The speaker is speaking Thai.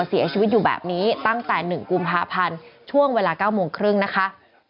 เสียชีวิตอยู่แบบนี้ตั้งแต่๑กุมภาพันธ์ช่วงเวลา๙โมงครึ่งนะคะ